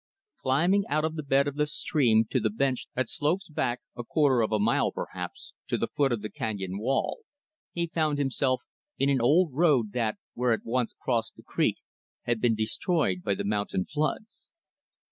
Climbing out of the bed of the stream to the bench that slopes hack a quarter of a mile, perhaps to the foot of the canyon wall, he found himself in an old road that, where it once crossed the creek, had been destroyed by the mountain floods.